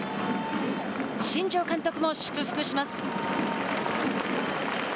新庄監督も祝福します。